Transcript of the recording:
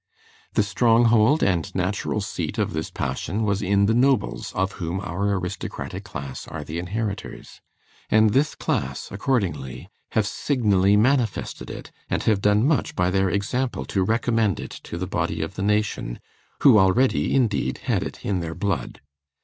The stronghold and natural seat of this passion was in the nobles of whom our aristocratic class are the inheritors; and this class, accordingly, have signally manifested it, and have done much by their example to recommend it to the body of the nation, who already, indeed, had it in their blood.